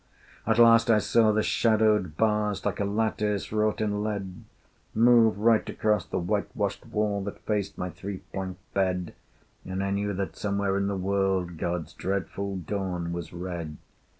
At last I saw the shadowed bars Like a lattice wrought in lead, Move right across the whitewashed wall That faced my three plank bed, And I knew that somewhere in the world God's dreadful dawn was red.